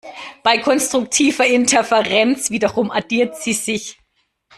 Bei konstruktiver Interferenz wiederum addieren sie sich.